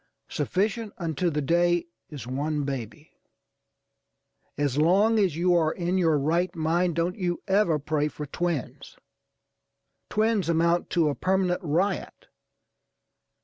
Sufficient unto the day is one baby. As long as you are in your right mind don't you ever pray for twins. Twins amount to a permanent riot.